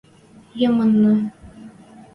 – Ямынна...